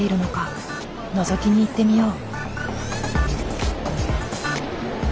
のぞきに行ってみよう。